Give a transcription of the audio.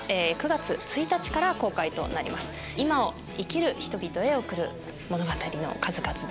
今を生きる人々へ送る物語の数々です。